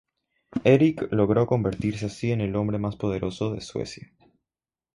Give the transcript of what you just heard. Erik logró convertirse así en el hombre más poderoso de Suecia.